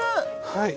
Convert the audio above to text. はい。